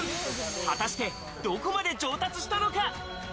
果たして、どこまで上達したのか？